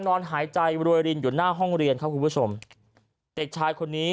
นอนหายใจรวยรินอยู่หน้าห้องเรียนเด็กชายคนนี้